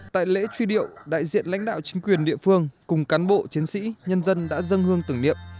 tại lễ truy điệu đại diện lãnh đạo chính quyền địa phương cùng cán bộ chiến sĩ nhân dân đã dâng hương tưởng niệm